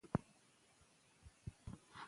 نو غبرګون به محدود، لنډمهالی او بېنظمه وای؛